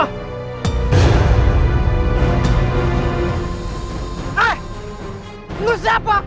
eh lu siapa